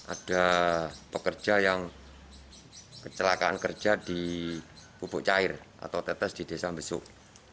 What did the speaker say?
ada pekerja yang kecelakaan kerja di pupuk cair atau tetes di desa besuk